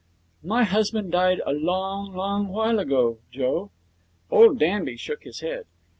'My husband died a long, long while ago, Joe.' Old Danby shook his head.